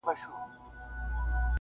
سلطانان یې دي په لومو کي نیولي-